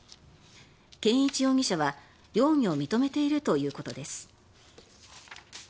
健一容疑者は容疑を認めているということです。